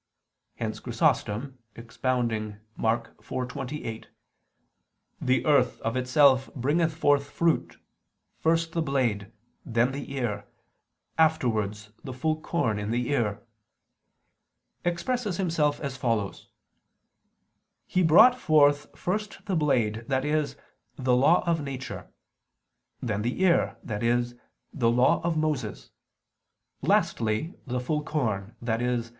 Hence Chrysostom, expounding Mk. 4:28, "The earth of itself bringeth forth fruit, first the blade, then the ear, afterwards the full corn in the ear," expresses himself as follows: "He brought forth first the blade, i.e. the Law of Nature; then the ear, i.e. the Law of Moses; lastly, the full corn, i.e.